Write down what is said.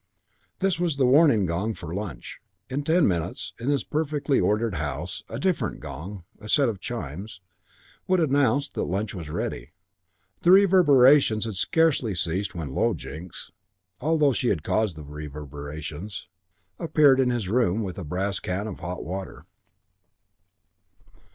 This was the warning gong for lunch. In ten minutes, in this perfectly ordered house, a different gong, a set of chimes, would announce that lunch was ready. The reverberations had scarcely ceased when Low Jinks, although she had caused the reverberations, appeared in his room with a brass can of hot water.